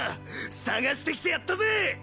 探してきてやったぜ！